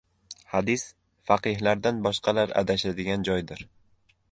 "Hadis — faqihlardan boshqalar adashadigan joydir"